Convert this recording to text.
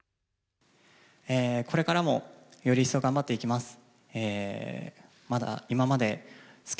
これからも、より一層頑張っていきます。